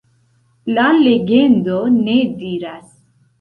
La legendo ne diras.